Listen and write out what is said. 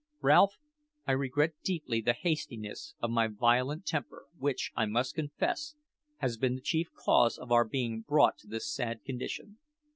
Ralph, I regret deeply the hastiness of my violent temper, which, I must confess, has been the chief cause of our being brought to this sad condition.